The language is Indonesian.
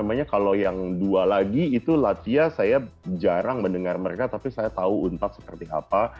namanya kalau yang dua lagi itu lathia saya jarang mendengar mereka tapi saya tahu unpad seperti apa